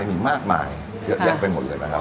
มีมากมายยังไปหมดเลยนะครับคุณ